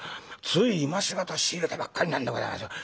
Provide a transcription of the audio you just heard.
つい今し方仕入れたばっかりなんでございますよ。